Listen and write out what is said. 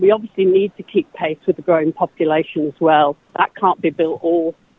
kita harus menjaga kecepatan dengan populasi yang berkembang juga